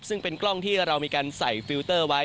ซึ่งเป็นกล้องที่เรามีการใส่ฟิลเตอร์ไว้